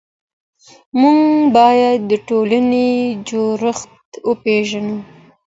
موږ بايد د ټولني جوړښت وپيژنو.